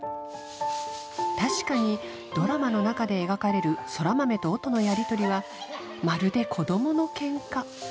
確かにドラマの中で描かれる空豆と音のやりとりはまるで子どものケンカ